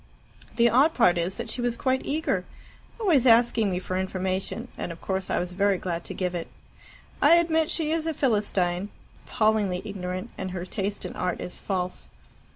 "The odd part is that she was quite eager always asking me for information; and of course I was very glad to give it. I admit she is a Philistine, appallingly ignorant, and her taste in art is false.